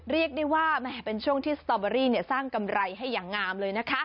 เรียกได้ว่าแหมเป็นช่วงที่สตอเบอรี่สร้างกำไรให้อย่างงามเลยนะคะ